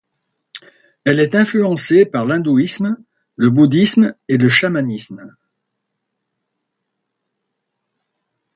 Elle est influencée par l'Hindouisme, le Bouddhisme et le Chamanisme.